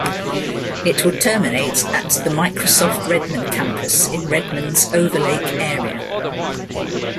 It would terminate at the Microsoft Redmond campus in Redmond's Overlake area.